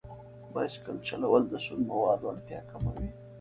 بایسکل چلول د سون موادو اړتیا کموي.